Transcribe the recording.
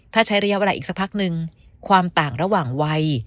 ถ้าใช้ระยะเวลาอีกสักพักนึงความต่างระหว่างวัย